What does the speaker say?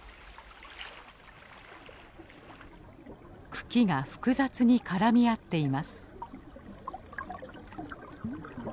茎が複雑に絡み合っています。